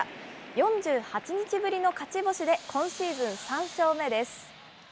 ４８日ぶりの勝ち星で今シーズン３勝目です。